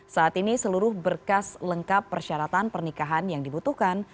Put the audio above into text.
saat ini seluruh berkas lengkap persyaratan pernikahan yang dibutuhkan